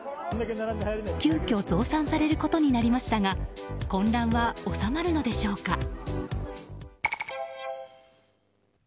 急きょ増産されることになりましたが混乱は収まるのでしょうか。